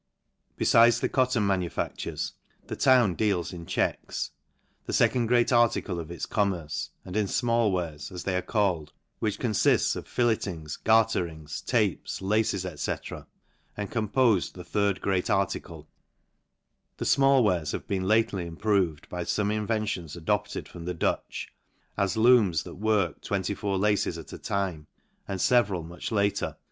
Befides the cotton manu factures, the town deals in checks, the fecond great article of its commerce, and in fmall wares (as they are called) which confifts of fillettings, garterings, tapes, laces, fcfV. and compofe the third great ar ticle : the fmall wares have been lately improved by fome inventions adopted from the Dutch, as looms that work 24 laces at a time, and feveral much later